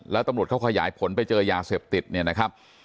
แล้วตำรวจเขาขยายผลไปเจอยาเสพติดเนี่ยนะครับ